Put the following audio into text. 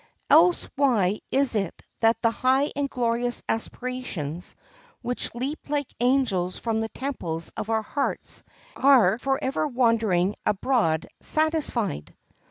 Else why is it that the high and glorious aspirations, which leap like angels from the temples of our hearts, are forever wandering abroad satisfied?